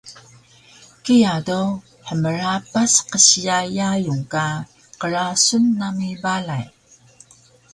Kiya do hmrapas qsiya yayung ka qrasun nami balay